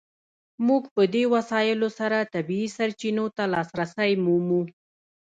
موږ په دې وسایلو سره طبیعي سرچینو ته لاسرسی مومو.